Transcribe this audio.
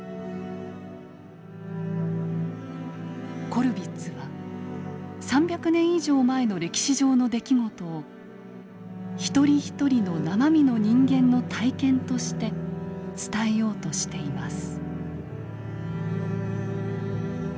コルヴィッツは３００年以上前の歴史上の出来事を一人一人の生身の人間の体験として伝えようとしています。